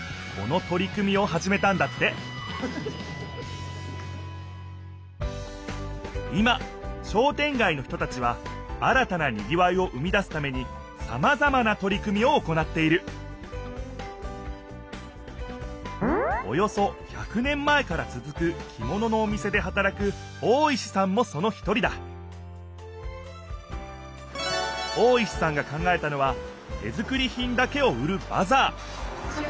このとり組みをはじめたんだって今商店街の人たちは新たなにぎわいを生み出すためにさまざまなとり組みを行っているおよそ１００年前からつづくきもののお店ではたらく大石さんもその一人だ大石さんが考えたのは手作り品だけを売るバザー。